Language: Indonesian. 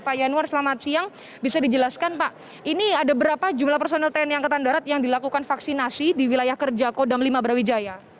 pak yanwar selamat siang bisa dijelaskan pak ini ada berapa jumlah personel tni angkatan darat yang dilakukan vaksinasi di wilayah kerja kodam lima brawijaya